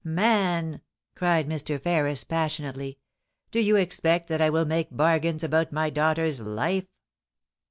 *Man!' cried Mr. Ferris, passionately, *do you expect that I will make bargains about my daughter's life